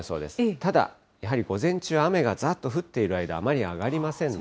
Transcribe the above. ただ、やはり午前中、雨がざっと降っている間はあまり上がりませんね。